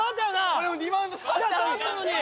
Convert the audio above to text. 俺もリバウンド触ったのに！